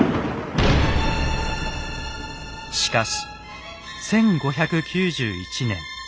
しかし１５９１年。